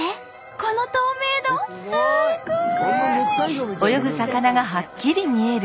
この透明度すごい！